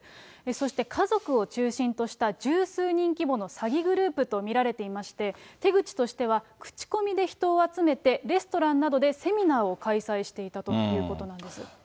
そして家族を中心とした十数人規模の詐欺グループと見られていまして、手口としては、口コミで人を集めてレストランなどでセミナーを開催していたということなんです。